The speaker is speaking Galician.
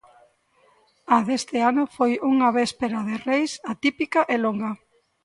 A deste ano foi unha véspera de Reis atípica e longa.